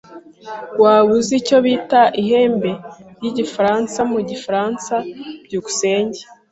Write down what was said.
Waba uzi icyo bita ihembe ryigifaransa mugifaransa? byukusenge